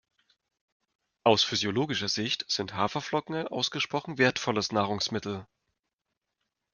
Aus physiologischer Sicht sind Haferflocken ein ausgesprochen wertvolles Nahrungsmittel.